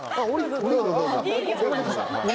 どうぞどうぞ。